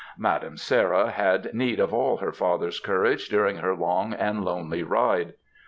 ^ Madam Sarah had need of all her ftfther^s courage during her long and lonely ride.